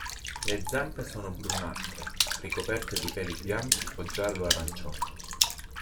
Le zampe sono brunastre, ricoperte di peli bianchi o giallo-arancioni.